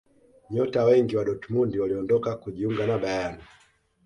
nyota wengi wa dortmund waliondoka kujiunga na bayern